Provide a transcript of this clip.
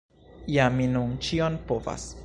Ja mi nun ĉion povas.